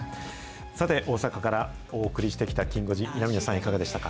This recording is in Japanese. さて、大阪からお送りしてきたきん５時、南野さん、いかがでしたか？